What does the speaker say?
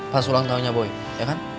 pas ulang tahunnya boy ya kan